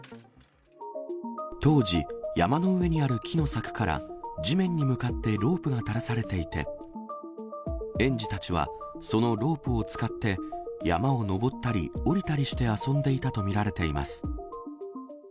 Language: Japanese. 当時、山の上にある木の柵から、地面に向かってロープが垂らされていて、園児たちはそのロープを使って、山を登ったり下りたりして遊んでいたと見られています。